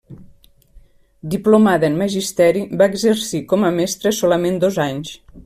Diplomada en Magisteri, va exercir com a mestra solament dos anys.